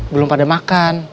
belum pada makan